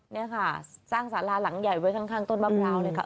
นี่ค่ะสร้างสาราหลังใหญ่ไว้ข้างต้นมะพร้าวเลยค่ะ